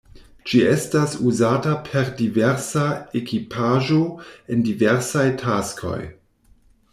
Ĝi estas uzata per diversa ekipaĵo, en diversaj taskoj.